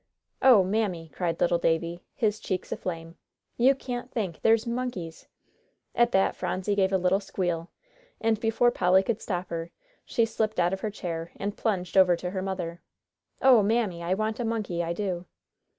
"Oh, Mammy," cried little Davie, his cheeks aflame, "you can't think there's monkeys!" At that Phronsie gave a little squeal, and before Polly could stop her, she slipped out of her chair and plunged over to her mother. "Oh, Mammy, I want a monkey, I do."